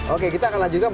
oke kita akan lanjutkan